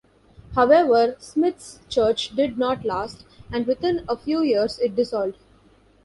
However, Smith's church did not last, and within a few years it dissolved.